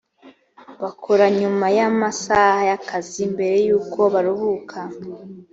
bakora nyuma y amasaha y akazi mbere y uko baruhuka